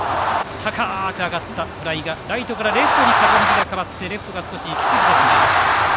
高く上がったフライがライトからレフトに風向きが変わってレフトが少し行き過ぎてしまいました。